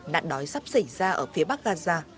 nạn đói sắp xảy ra ở phía bắc gaza